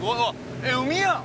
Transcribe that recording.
えっ海やん！